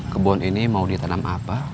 kebun ini mau ditanam apa